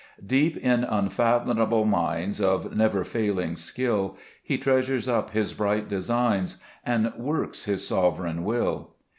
2 Deep in unfathomable mines Of never failing skill He treasures up His bright designs, And works His sovereign will.